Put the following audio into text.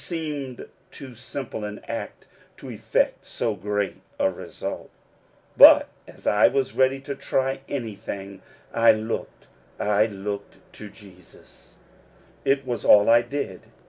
It seemed too simple an act to effect so great a result ; but, as I was ready to try anything, I LOOKED —/ looked to Jesus, It was all I did.